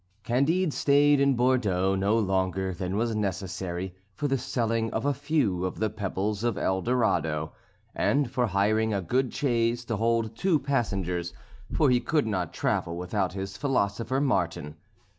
Candide stayed in Bordeaux no longer than was necessary for the selling of a few of the pebbles of El Dorado, and for hiring a good chaise to hold two passengers; for he could not travel without his Philosopher Martin.